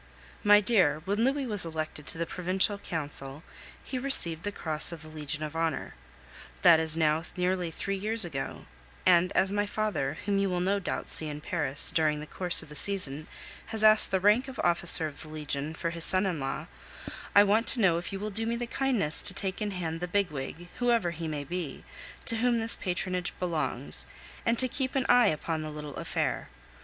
My dear, when Louis was elected to the provincial Council, he received the cross of the Legion of Honor. That is now nearly three years ago; and as my father whom you will no doubt see in Paris during the course of the session has asked the rank of Officer of the Legion for his son in law, I want to know if you will do me the kindness to take in hand the bigwig, whoever he may be, to whom this patronage belongs, and to keep an eye upon the little affair.